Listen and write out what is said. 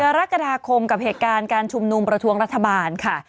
กรกฎาคมกับเหตุการณ์การชุมนุมประท้วงรัฐบาลค่ะ